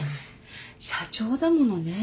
社長だものね。